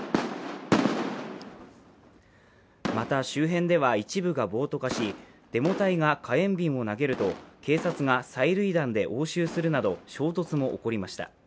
また、周辺では一部が暴徒化し、デモ隊が火炎瓶を投げると警察が催涙弾で応酬するなど、衝突も起こりました。